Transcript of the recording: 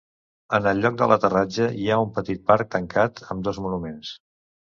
En el lloc de l'aterratge hi ha un petit parc tancat amb dos monuments.